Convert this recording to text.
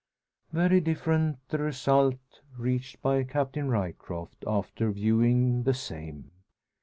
Very different the result reached by Captain Ryecroft after viewing the same.